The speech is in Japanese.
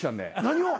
何を？